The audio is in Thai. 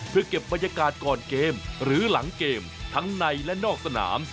เพื่อเก็บบรรยากาศก่อนเกมหรือหลังเกมทั้งในและนอกสนาม